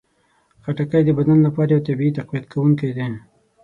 خټکی د بدن لپاره یو طبیعي تقویت کوونکی دی.